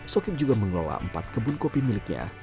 sokim juga mengelola empat kebun kopi miliknya